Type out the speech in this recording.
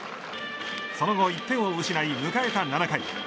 その後１点を失い迎えた７回。